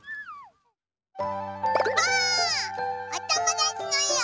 おともだちのえを。